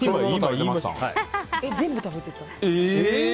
全部食べてた。